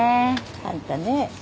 あんたね